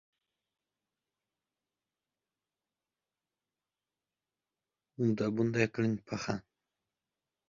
— Unda bunday qiling, paxan.